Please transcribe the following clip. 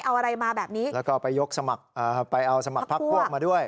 เอาอะไรมาแบบนี้แล้วก็ไปยกสมัครไปเอาสมัครพักพวกมาด้วย